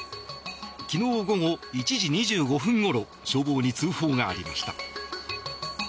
昨日午後１時２５分ごろ消防に通報がありました。